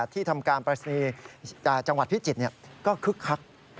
ที่ทำการปรายศนีย์จังหวัดพิจิตรก็คึกคัก